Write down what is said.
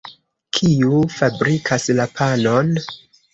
Kiu fabrikas la panon?